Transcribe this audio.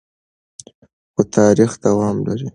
خو تاریخ دوام لري.